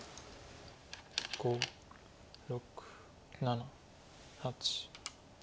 ５６７８。